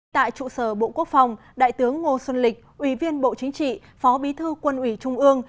tại trụ sở bộ quốc phòng đại tướng ngô xuân lịch ủy viên bộ chính trị phó bí thư quân ủy trung ương